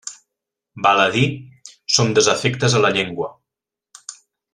Val a dir, són desafectes a la llengua.